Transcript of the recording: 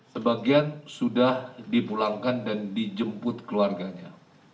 sebagian sudah dipulangkan dan dijemput keluarganya